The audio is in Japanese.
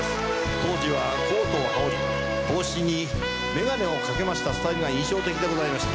当時はコートをはおり帽子に眼鏡をかけましたスタイルが印象的でございました。